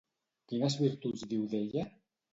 Quines virtuts diu d'ella?